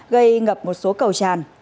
gây ngập một số cầu tràn